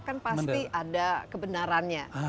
kan pasti ada kebenarannya